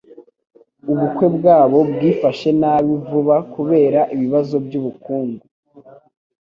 Ubukwe bwabo bwifashe nabi vuba kubera ibibazo byubukungu